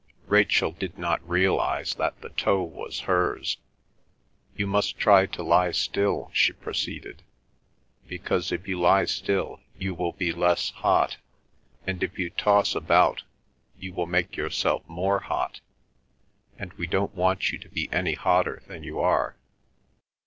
Rachel did not realise that the toe was hers. "You must try and lie still," she proceeded, "because if you lie still you will be less hot, and if you toss about you will make yourself more hot, and we don't want you to be any hotter than you are."